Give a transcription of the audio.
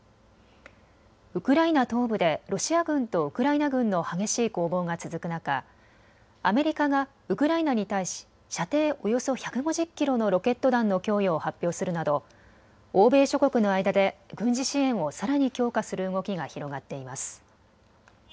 ウクライナ東部でロシア軍とウクライナ軍の激しい攻防が続く中、アメリカがウクライナに対し射程およそ１５０キロのロケット弾の供与を発表するなど欧米諸国の間で軍事支援をさらに強化する動きが広がっています。